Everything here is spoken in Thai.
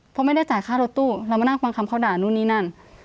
เพราะไม่ได้จ่ายค่ารถตู้เรามานั่งฟังคำเขาด่านู่นนี่นั่น